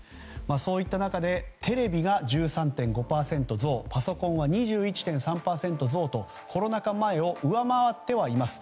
そういった中でテレビが１３．５％増パソコンは２１．３％増とコロナ禍前を上回ってはいます。